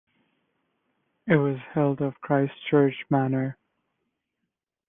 It was held of Christchurch manor.